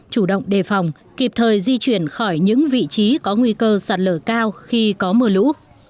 chủ động đề phòng kịp thời di chuyển khỏi những vị trí có nguy cơ sạt lở cao khi có mưa lũ